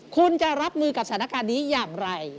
คุณจะรับมือกับสถานการณ์นี้อย่างไร